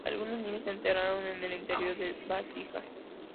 Algunos niños se enterraron en el interior de vasijas.